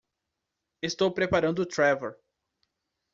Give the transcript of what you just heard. Estou preparando o Trevor!